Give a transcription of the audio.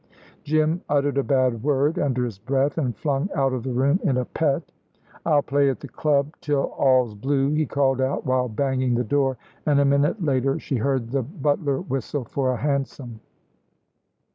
Jim uttered a bad word under his breath, and flung out of the room in a pet. "I'll play at the club till all's blue," he called out while banging the door, and a minute later she heard the butler whistle for a hansom.